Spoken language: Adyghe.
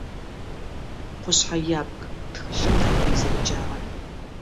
«Къушъхьэ ябг» тхылъым Налбый зэреджагъэр.